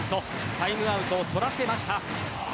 タイムアウトを取らせました。